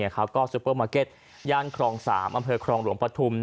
ก็ซุปเปอร์มาร์เก็ตย่านครอง๓อำเภอครองหลวงปฐุม